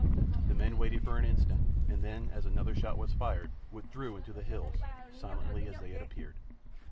The men waited for an instant, and then, as another shot was fired, withdrew into the hills, silently as they had appeared.